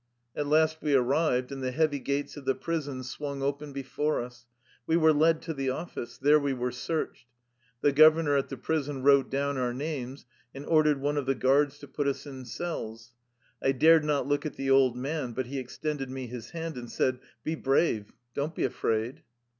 At last we arrived, and the heavy gates of the prison swung open before us. We were led to the office. There we were searched. The gov ernor at the prison wrote down our names, and ordered one of the guards to put us in cells. I dared not look at the old man, but he extended me his hand and said :" Be brave. Don't be afraid.''